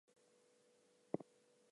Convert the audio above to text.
This is a short sentence.